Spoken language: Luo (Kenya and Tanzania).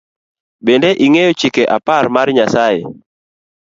Bende ing’eyo chike apar mar Nyasaye?